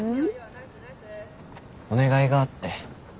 お願いがあって。